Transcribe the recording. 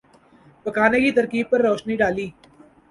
پکانے کی ترکیب پر روشنی ڈالی